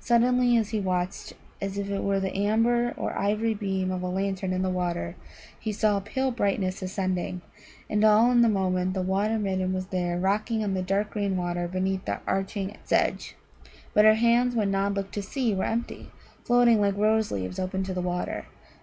Suddenly, as he watched, as if it were the amber or ivory beam of a lantern in the water, he saw a pale brightness ascending. And all in a moment the Water midden was there rocking on the dark green water beneath the arching sedge. But her hands, when Nod looked to see, were empty, floating like rose leaves open on the water.